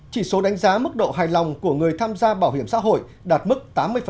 chỉ số đánh giá mức độ hài lòng của người tham gia bảo hiểm xã hội đạt mức tám mươi